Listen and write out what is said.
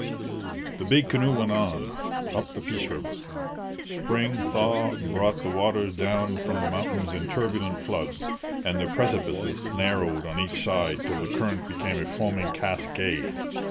The big canoe went on, up the Peace river. Spring thaw brought the waters down from the mountains in turbulent floods, and the precipices narrowed on each side till the current became a foaming cascade.